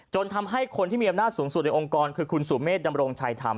ทำให้คนที่มีอำนาจสูงสุดในองค์กรคือคุณสุเมฆดำรงชัยธรรม